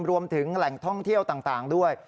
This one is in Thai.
รวมถึงแหล่งท่องเที่ยวต่างด้วย